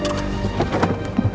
lo mau kemana